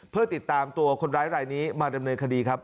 เพื่อติดตามตัวคนร้ายรายนี้มาดำเนินคดีครับ